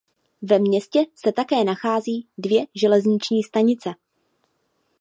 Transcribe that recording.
Ve městě se také nachází dvě železniční stanice.